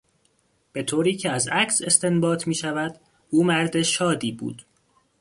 به طوری که از عکس استنباط میشود او مرد شادی بود.